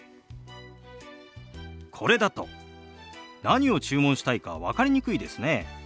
これだと何を注文したいか分かりにくいですね。